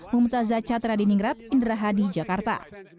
mumtazah chatera di ningrat indra hadi jakarta